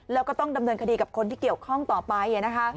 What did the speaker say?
แล้วก็ต้องดำเนินคดีกับคนที่เกี่ยวข้องต่อไปนะคะ